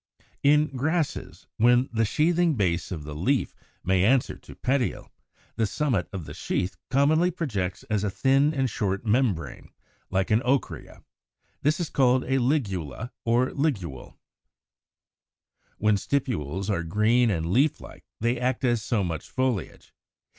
177. In Grasses, when the sheathing base of the leaf may answer to petiole, the summit of the sheath commonly projects as a thin and short membrane, like an ocrea: this is called a LIGULA or LIGULE. 178. When stipules are green and leaf like they act as so much foliage.